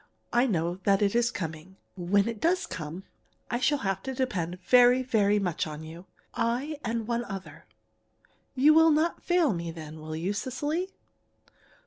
I know that it is coming. When it does come, I shall have to depend very, very much on you. I and one other. You will not fail me then, will you, Cecily?'